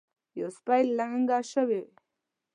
یوه سپۍ لنګه شوې.